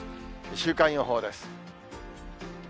週間予報です。